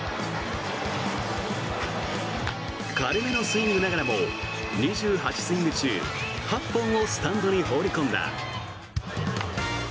軽めのスイングながらも２８スイング中８本をスタンドに放り込んだ。